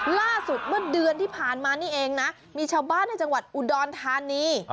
ล่าสุดเมื่อเดือนที่ผ่านมานี่เองนะมีชาวบ้านในจังหวัดอุดรธานี